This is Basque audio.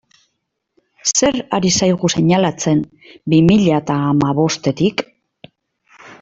Zer ari zaigu seinalatzen bi mila eta hamabostetik?